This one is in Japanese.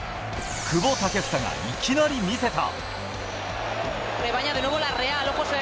久保建英がいきなり魅せた。